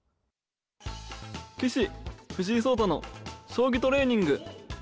棋士・藤井聡太の将棋トレーニング。